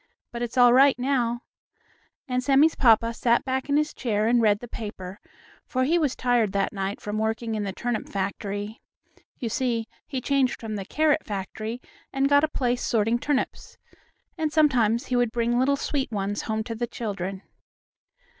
But it's all right now," and Sammie's papa sat back in his chair and read the paper, for he was tired that night from working in the turnip factory. You see, he changed from the carrot factory, and got a place sorting turnips. And sometimes he would bring little sweet ones home to the children.